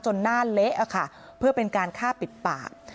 หน้าเละค่ะเพื่อเป็นการฆ่าปิดปาก